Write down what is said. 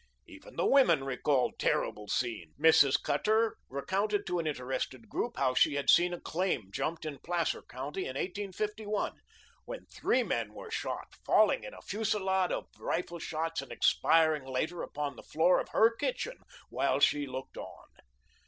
Even the women recalled terrible scenes. Mrs. Cutter recounted to an interested group how she had seen a claim jumped in Placer County in 1851, when three men were shot, falling in a fusillade of rifle shots, and expiring later upon the floor of her kitchen while she looked on.